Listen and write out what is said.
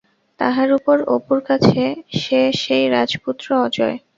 তাহার উপর অপুর কাছে সে সেই রাজপুত্র অজয়!